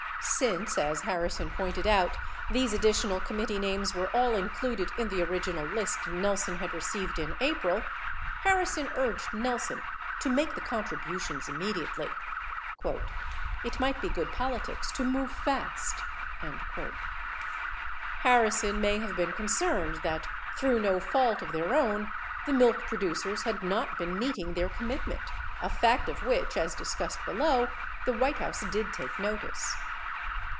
25 Since, as Harrison pointed out, these additional committee names were all included in the original list Nelson had received in April, Harrison urged Nelson to make the con tributions immediately : "[I]t might be good politics to move fast." 26 Harrison may have been concerned that, through no fault of their own, the milk producers had not been meeting their commitment, a fact of which, as discussed below', the White House did take notice.